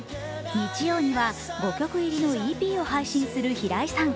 日曜には、５曲入りのＥＰを配信する平井さん。